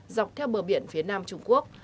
dọc theo bờ biển phía nam trung quốc